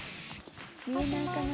見えないかな？